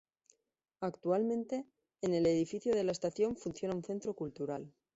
Actualmente en el edificio de la estación funciona un centro cultural.